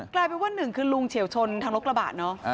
กลายเป็นว่าหนึ่งคือลุงเฉียวชนทางรถกระบะเนอะ